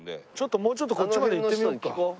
もうちょっとこっちまで行ってみようか。